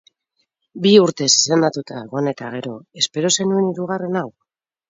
Bi urtez izendatuta egon eta gero, espero zenuen hirugarren hau?